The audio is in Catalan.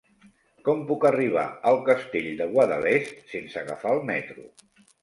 Com puc arribar al Castell de Guadalest sense agafar el metro?